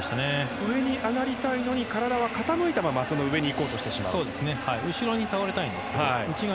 上に上がりたいのに体は傾いたまま上に上がろうとしてしまうと。